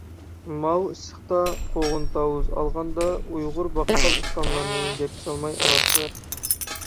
ماۋۇ ئىسسىقتا قوغۇن-تاۋۇز ئالغاندا ئۇيغۇر باققال ئۇستاملارنى گەپكە سالماي ئالارسىلەر.